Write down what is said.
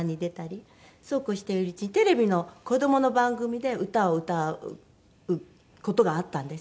そうこうしているうちにテレビの子どもの番組で歌を歌う事があったんです。